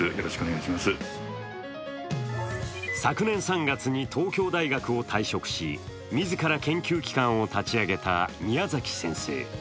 昨年３月に東京大学を退職し、自ら研究機関を立ち上げた宮崎先生。